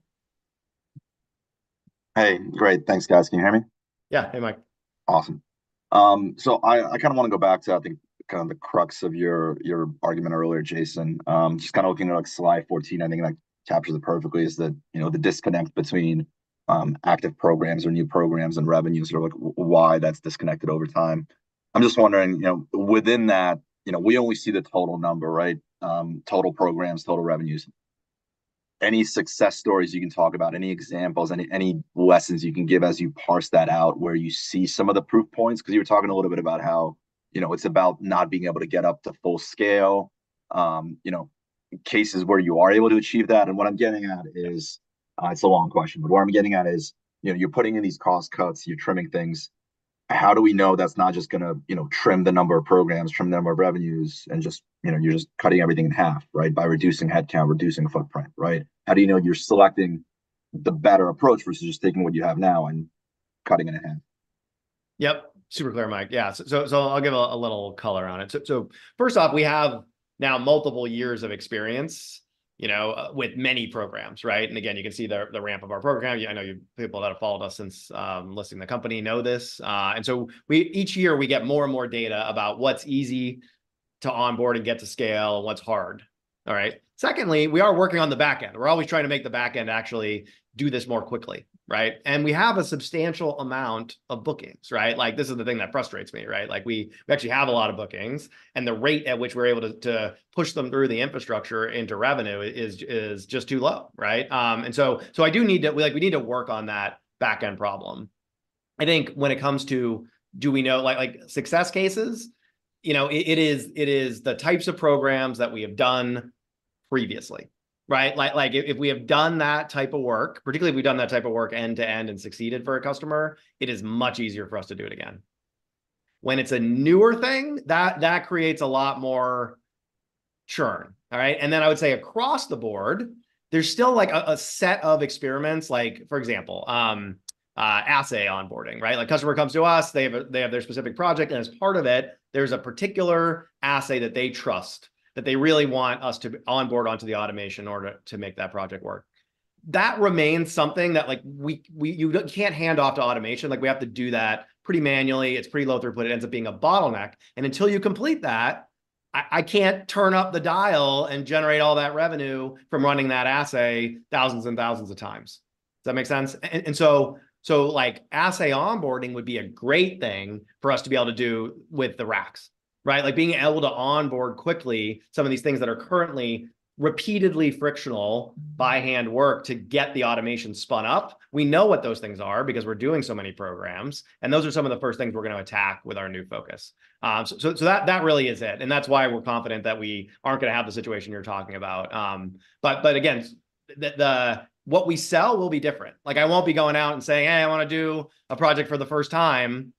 Hey, great. Thanks, guys. Can you hear me? Yeah. Hey, Mike. Awesome. So I kinda wanna go back to, I think, kind of the crux of your argument earlier, Jason. Just kinda looking at, like, slide 14, I think, like, captures it perfectly is that, you know, the disconnect between active programs or new programs and revenues, or, like, why that's disconnected over time. I'm just wondering, you know, within that, you know, we only see the total number, right? Total programs, total revenues. Any success stories you can talk about, any examples, any lessons you can give as you parse that out where you see some of the proof points? 'Cause you were talking a little bit about how, you know, it's about not being able to get up to full scale. You know, cases where you are able to achieve that. What I'm getting at is, it's a long question, but what I'm getting at is, you know, you're putting in these cost cuts, you're trimming things. How do we know that's not just gonna, you know, trim the number of programs, trim the number of revenues, and just, you know, you're just cutting everything in half, right? By reducing headcount, reducing footprint, right? How do you know you're selecting the better approach versus just taking what you have now and cutting it in half? Yep. Super clear, Mike. Yeah. So, I'll give a little color on it. So, first off, we have now multiple years of experience, you know, with many programs, right? And again, you can see the ramp of our program. Yeah, I know you... people that have followed us since listing the company know this. And so each year, we get more and more data about what's easy to onboard and get to scale and what's hard. All right? Secondly, we are working on the back end. We're always trying to make the back end actually do this more quickly, right? And we have a substantial amount of bookings, right? Like, this is the thing that frustrates me, right? Like, we actually have a lot of bookings, and the rate at which we're able to push them through the infrastructure into revenue is just too low, right? And so I do need to-- Like, we need to work on that back end problem. I think when it comes to, do we know, like, success cases? You know, it is the types of programs that we have done previously, right? Like, if we have done that type of work, particularly if we've done that type of work end to end and succeeded for a customer, it is much easier for us to do it again. When it's a newer thing, that creates a lot more churn. All right? And then I would say across the board, there's still, like, a set of experiments, like, for example, assay onboarding, right? Like, customer comes to us, they have their specific project, and as part of it, there's a particular assay that they trust, that they really want us to onboard onto the automation in order to make that project work. That remains something that, like, we can't hand off to automation, like, we have to do that pretty manually. It's pretty low throughput. It ends up being a bottleneck, and until you complete that, I can't turn up the dial and generate all that revenue from running that assay thousands and thousands of times. Does that make sense? And so, so, like, assay onboarding would be a great thing for us to be able to do with the racks, right? Like, being able to onboard quickly some of these things that are currently repeatedly frictional by hand work to get the automation spun up. We know what those things are because we're doing so many programs, and those are some of the first things we're gonna attack with our new focus. So, so that, that really is it, and that's why we're confident that we aren't gonna have the situation you're talking about. But, but again, the, the, what we sell will be different. Like, I won't be going out and saying, "Hey, I wanna do a project for the first time."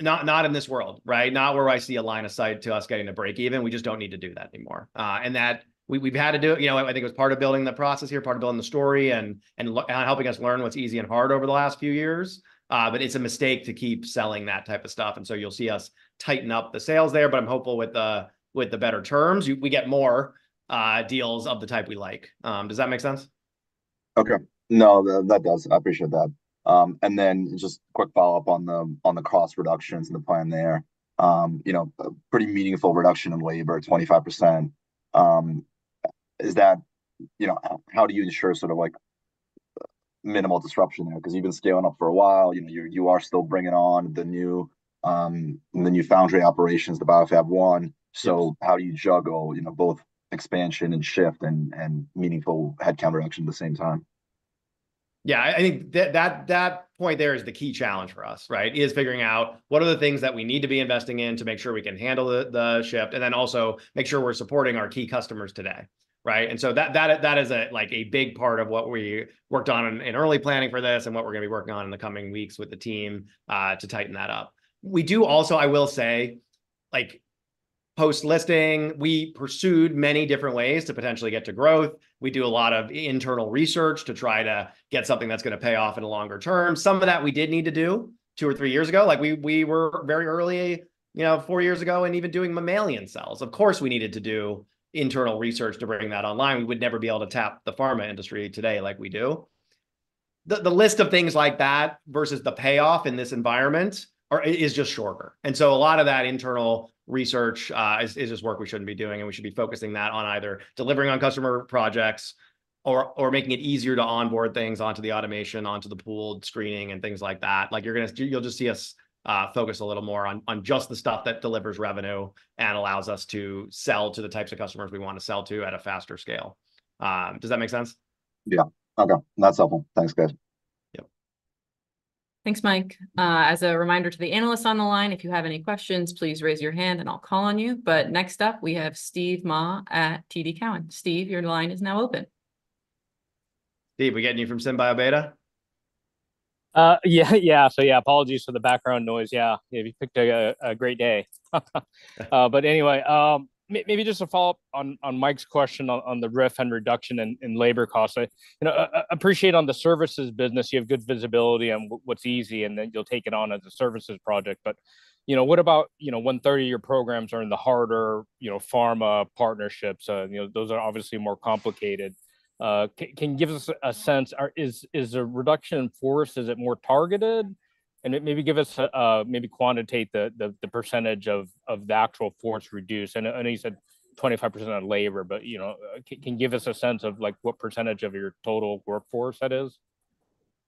Not, not in this world, right? Not where I see a line of sight to us getting to break even. We just don't need to do that anymore. And that... We've had to do it, you know, I think it was part of building the process here, part of building the story, and helping us learn what's easy and hard over the last few years. But it's a mistake to keep selling that type of stuff, and so you'll see us tighten up the sales there, but I'm hopeful with the better terms, we get more deals of the type we like. Does that make sense? Okay. No, that, that does. I appreciate that. And then just quick follow-up on the cost reductions and the plan there. You know, a pretty meaningful reduction in labor, 25%. Is that... You know, how do you ensure sort of like minimal disruption there? 'Cause you've been scaling up for a while. You know, you're, you are still bringing on the new, the new foundry operations, the BioFab1. Yes. How do you juggle, you know, both expansion and shift and meaningful headcount reduction at the same time? Yeah, I think that point there is the key challenge for us, right? Is figuring out what are the things that we need to be investing in to make sure we can handle the shift, and then also make sure we're supporting our key customers today, right? And so that is a, like, a big part of what we worked on in early planning for this and what we're gonna be working on in the coming weeks with the team to tighten that up. We do also, I will say, like, post-listing, we pursued many different ways to potentially get to growth. We do a lot of internal research to try to get something that's gonna pay off in the longer term. Some of that we did need to do two or three years ago. Like, we were very early, you know, four years ago, and even doing mammalian cells. Of course, we needed to do internal research to bring that online. We would never be able to tap the pharma industry today like we do. The list of things like that versus the payoff in this environment is just shorter. And so a lot of that internal research is just work we shouldn't be doing, and we should be focusing that on either delivering on customer projects or making it easier to onboard things onto the automation, onto the pooled screening, and things like that. Like, you'll just see us focus a little more on just the stuff that delivers revenue and allows us to sell to the types of customers we want to sell to at a faster scale. Does that make sense? Yeah. Okay, that's helpful. Thanks, guys. Yep. Thanks, Mike. As a reminder to the analysts on the line, if you have any questions, please raise your hand, and I'll call on you. But next up, we have Steve Mah at TD Cowen. Steve, your line is now open. Steve, are we getting you from SynBioBeta? Yeah, yeah. So yeah, apologies for the background noise. Yeah, you picked a great day. But anyway, maybe just a follow-up on Mike's question on the RIF and reduction in labor costs. You know, I appreciate on the services business, you have good visibility on what's easy, and then you'll take it on as a services project. But you know, what about, you know, when 30-year programs are in the harder, you know, pharma partnerships, and you know, those are obviously more complicated. Can you give us a sense, is the reduction in force more targeted? And then maybe give us maybe quantitate the percentage of the actual force reduced. I know, I know you said 25% on labor, but, you know, can you give us a sense of, like, what percentage of your total workforce that is?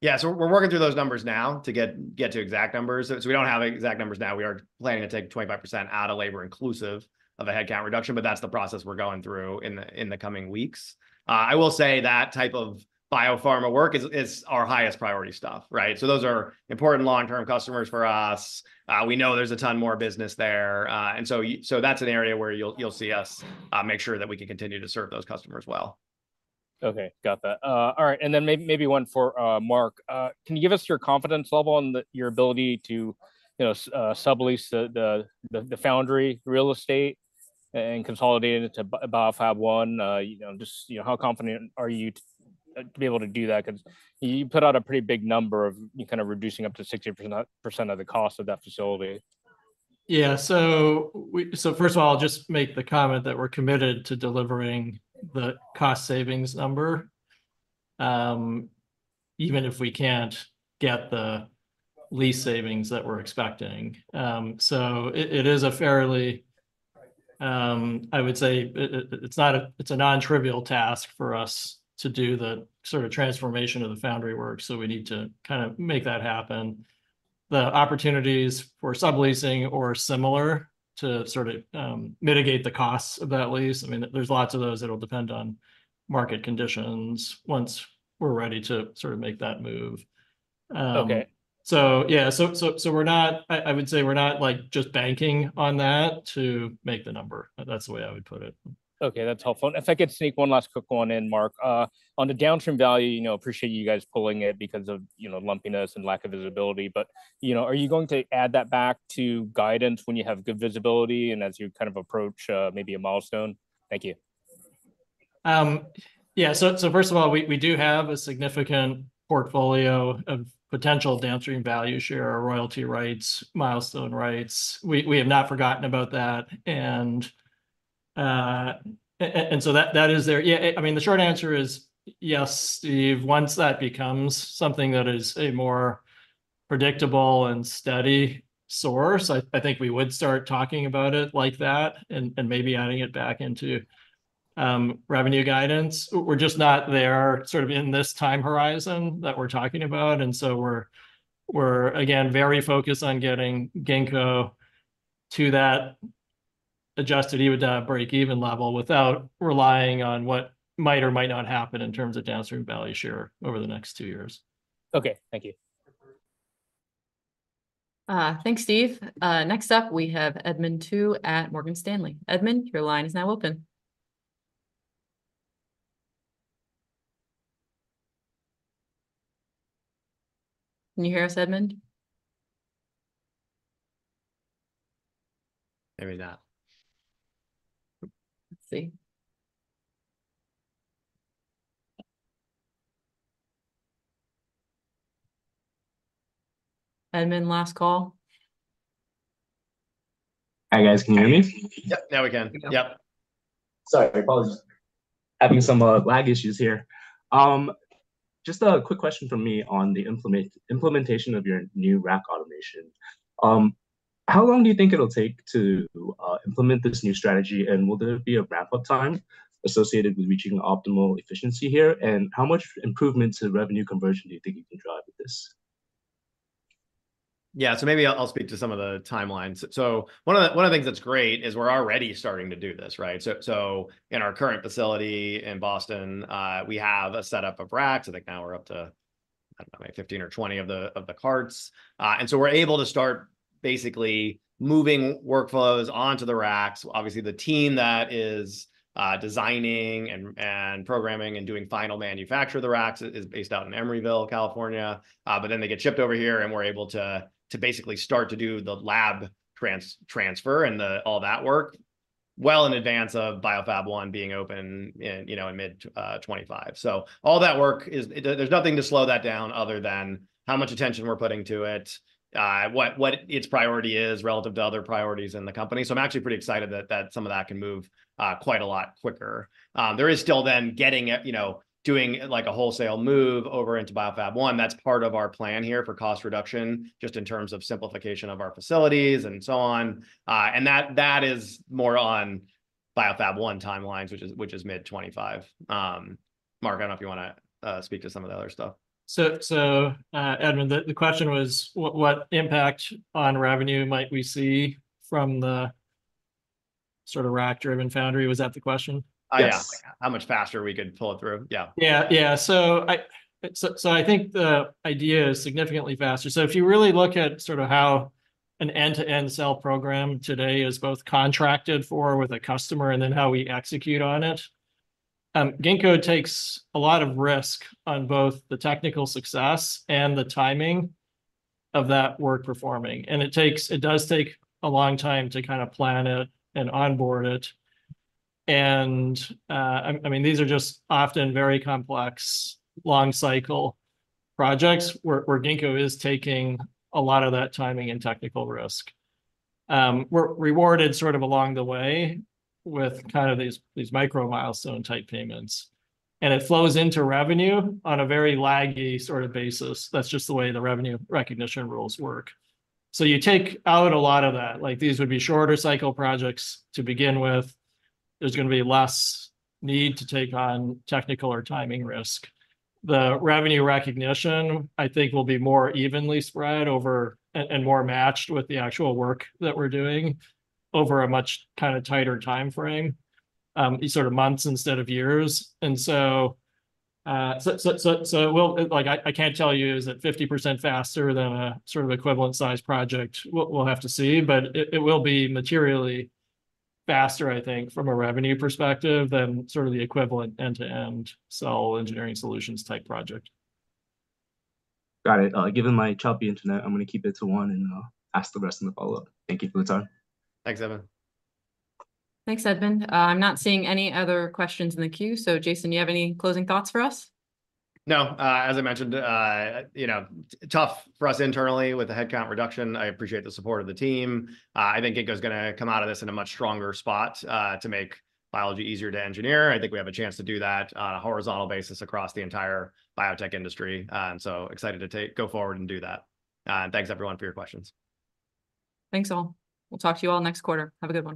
Yeah, so we're working through those numbers now to get to exact numbers. So we don't have exact numbers now. We are planning to take 25% out of labor, inclusive of a headcount reduction, but that's the process we're going through in the coming weeks. I will say that type of biopharma work is our highest priority stuff, right? So those are important long-term customers for us. We know there's a ton more business there. And so that's an area where you'll see us make sure that we can continue to serve those customers well. Okay, got that. All right, and then maybe one for Mark. Can you give us your confidence level on the, your ability to, you know, sublease the, the, the foundry real estate and consolidate it to BioFab1? You know, just, you know, how confident are you to be able to do that? 'Cause you put out a pretty big number of you kind of reducing up to 60% of the cost of that facility. Yeah, so first of all, I'll just make the comment that we're committed to delivering the cost savings number, even if we can't get the lease savings that we're expecting. So it is a fairly, I would say, it's not a, it's a non-trivial task for us to do the sort of transformation of the foundry work, so we need to kind of make that happen. The opportunities for subleasing or similar to sort of mitigate the costs of that lease, I mean, there's lots of those. It'll depend on market conditions once we're ready to sort of make that move. Okay. So yeah, we're not... I would say we're not, like, just banking on that to make the number. That's the way I would put it. Okay, that's helpful. If I could sneak one last quick one in, Mark. On the downstream value, you know, appreciate you guys pulling it because of, you know, lumpiness and lack of visibility, but, you know, are you going to add that back to guidance when you have good visibility and as you kind of approach, maybe a milestone? Thank you. Yeah, so first of all, we do have a significant portfolio of potential downstream value share, our royalty rights, milestone rights. We have not forgotten about that. And so that is there. Yeah, I mean, the short answer is yes, Steve, once that becomes something that is a more predictable and steady source, I think we would start talking about it like that, and maybe adding it back into revenue guidance. We're just not there sort of in this time horizon that we're talking about, and so we're again very focused on getting Ginkgo to that Adjusted EBITDA break-even level without relying on what might or might not happen in terms of downstream value share over the next two years. Okay, thank you. Thanks, Steve. Next up, we have Edmund Tu at Morgan Stanley. Edmund, your line is now open. Can you hear us, Edmund? Maybe not. Let's see. Edmund, last call. Hi, guys. Can you hear me? Yep, now we can. Yep. Yep. Sorry, apologies. Having some lag issues here. Just a quick question from me on the implementation of your new rack automation. How long do you think it'll take to implement this new strategy, and will there be a ramp-up time associated with reaching optimal efficiency here? And how much improvement to revenue conversion do you think you can drive with this? Yeah, so maybe I'll speak to some of the timelines. So one of the things that's great is we're already starting to do this, right? So in our current facility in Boston, we have a setup of racks. I think now we're up to 15 or 20 of the carts. And so we're able to start basically moving workflows onto the racks. Obviously, the team that is designing and programming and doing final manufacture of the racks is based out in Emeryville, California. But then they get shipped over here, and we're able to basically start to do the lab transfer and all that work well in advance of BioFab1 being open in, you know, in mid-2025. So all that work is... There's nothing to slow that down other than how much attention we're putting to it, what its priority is relative to other priorities in the company. So I'm actually pretty excited that some of that can move quite a lot quicker. There is still then getting, you know, doing, like, a wholesale move over into BioFab1. That's part of our plan here for cost reduction, just in terms of simplification of our facilities and so on. And that is more on BioFab1 timelines, which is mid-2025. Mark, I don't know if you want to speak to some of the other stuff. So, Edmund, the question was what impact on revenue might we see from the sort of rack-driven foundry? Was that the question? Yeah. Yes. How much faster we could pull it through? Yeah. So I think the idea is significantly faster. So if you really look at sort of how an end-to-end cell program today is both contracted for with a customer and then how we execute on it, Ginkgo takes a lot of risk on both the technical success and the timing of that work performing. And it takes, it does take a long time to kind of plan it and onboard it. And I mean, these are just often very complex, long cycle projects where Ginkgo is taking a lot of that timing and technical risk. We're rewarded sort of along the way with kind of these micro-milestone type payments, and it flows into revenue on a very laggy sort of basis. That's just the way the revenue recognition rules work. So you take out a lot of that, like, these would be shorter cycle projects to begin with. There's gonna be less need to take on technical or timing risk. The revenue recognition, I think, will be more evenly spread over, and more matched with the actual work that we're doing over a much kind of tighter timeframe, sort of months instead of years. And so it will- like, I can't tell you, is it 50% faster than a sort of equivalent size project? We'll have to see, but it will be materially faster, I think, from a revenue perspective than sort of the equivalent end-to-end cell engineering solutions type project. Got it. Given my choppy internet, I'm gonna keep it to one, and I'll ask the rest in the follow-up. Thank you for the time. Thanks, Edmund. Thanks, Edmund. I'm not seeing any other questions in the queue. Jason, do you have any closing thoughts for us? No. As I mentioned, you know, tough for us internally with the headcount reduction. I appreciate the support of the team. I think Ginkgo's gonna come out of this in a much stronger spot to make biology easier to engineer. I think we have a chance to do that on a horizontal basis across the entire biotech industry. So excited to go forward and do that. And thanks, everyone, for your questions. Thanks, all. We'll talk to you all next quarter. Have a good one.